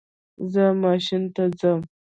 زه ماشین ته ځم